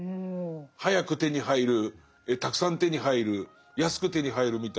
早く手に入るたくさん手に入る安く手に入るみたいのが。